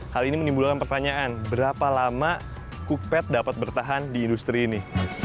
hal ini menimbulkan pertanyaan berapa lama cookpet dapat bertahan di industri ini